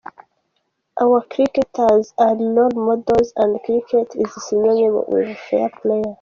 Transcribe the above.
Our cricketers are role models and cricket is synonymous with fair play.